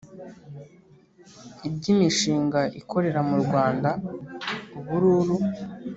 iby’imishinga ikorera mu Rwanda =ubururu